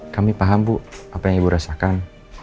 kami paham bu apa yang ibu rasakan